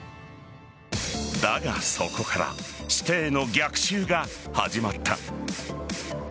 だが、そこから師弟の逆襲が始まった。